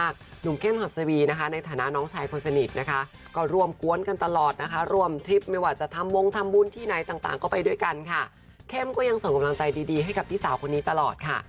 เข้มก็ยังส่งกำลังใจดีให้กับพี่สาวคนนี้ตลอดค่ะ